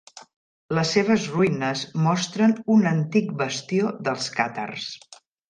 Les seves ruïnes mostren un antic bastió dels càtars.